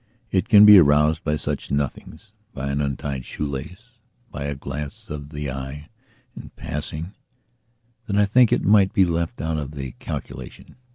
It can be aroused by such nothingsby an untied shoelace, by a glance of the eye in passingthat I think it might be left out of the calculation.